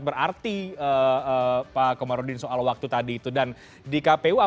betul betul harus dijaga